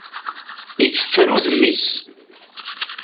Iteffer udem-is.